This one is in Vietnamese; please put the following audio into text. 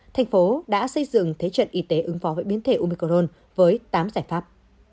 tp hcm đã xây dựng thế trận y tế ứng phó với biến thể omicron với tám giải pháp